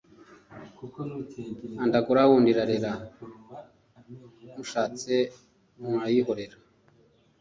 Underground irarera mushatse mwayihorera